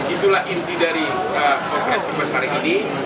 itulah inti dari kongres di kuasa hari ini